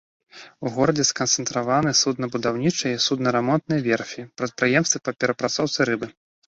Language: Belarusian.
У горадзе сканцэнтраваны суднабудаўнічыя і судна рамонтныя верфі, прадпрыемствы па перапрацоўцы рыбы.